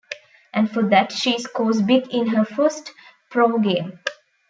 And for that, she scores big in her first pro game.